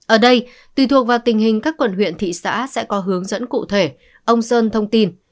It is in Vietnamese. ở đây tùy thuộc vào tình hình các quần huyện thị xã sẽ có hướng dẫn cụ thể ông sơn thông tin